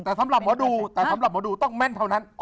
แต่สำหรับหมอดูแต่สำหรับหมอดูต้องแม่นเท่านั้น